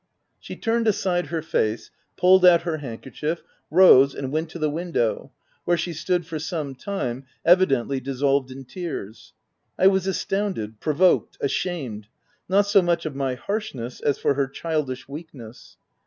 She turned aside her face, pulled out her handkerchief, rose, and went to the window, where she stood for some time, evidently dis solved in tears. I was astounded, provoked, ashamed — not so much of my harshness as for her childish weakness.